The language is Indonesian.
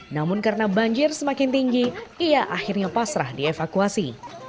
namun karena banjir semakin tinggi ia akhirnya pasrah dievakuasi